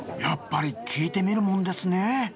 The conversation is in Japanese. やっぱり聞いてみるもんですね。